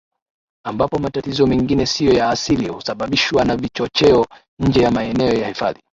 ambapo matatizo mengine sio ya asili husababishwa na vichocheo nje ya maeneo ya hifadhi